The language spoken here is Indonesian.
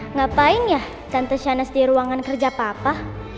ngapain ya tante channes di ruangan kerja papa